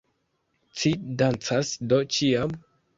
Ci dancas do ĉiam?